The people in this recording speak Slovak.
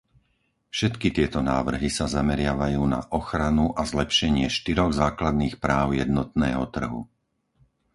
Všetky tieto návrhy sa zameriavajú na ochranu a zlepšenie štyroch základných práv jednotného trhu.